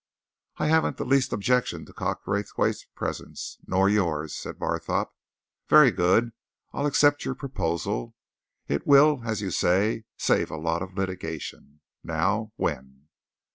"I haven't the least objection to Cox Raythwaite's presence, nor yours," said Barthorpe. "Very good I'll accept your proposal it will, as you say, save a lot of litigation. Now when?"